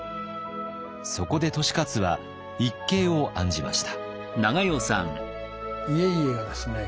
そこで利勝は一計を案じました。